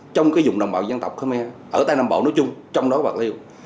trong cái vùng đồng bào dân tộc khmer ở tây nam bộ nói chung trong đó bạc liêu